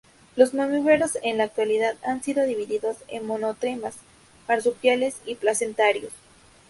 Los mamíferos en la actualidad han sido divididos en Monotremas, Marsupiales y Placentarios.